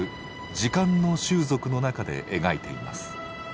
「時間の習俗」の中で描いています。